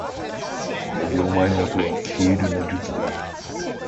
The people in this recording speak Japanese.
これでお前のおとはきえるの術だ